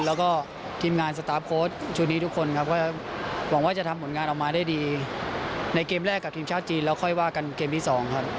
แล้วก็ทีมงานสตาร์ฟโค้ชชุดนี้ทุกคนครับก็หวังว่าจะทำผลงานออกมาได้ดีในเกมแรกกับทีมชาติจีนแล้วค่อยว่ากันเกมที่๒ครับ